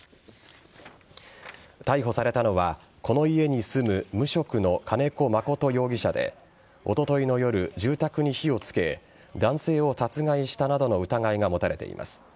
逮捕されたのはこの家に住む、無職の金子誠容疑者でおとといの夜、住宅に火をつけ男性を殺害したなどの疑いが持たれています。